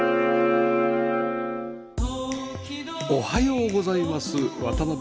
おはようございます渡辺篤史です